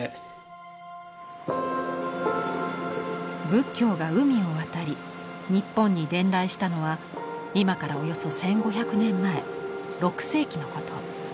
仏教が海を渡り日本に伝来したのは今からおよそ１，５００年前６世紀のこと。